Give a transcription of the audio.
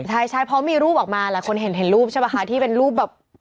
แต่พอมีรูปออกมาแหละคนเห็นรูปใช่ป่ะค่ะที่เป็นรูปแบบ